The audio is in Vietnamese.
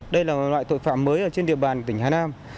đây là loại tội phạm mới trên địa bàn tỉnh hà nam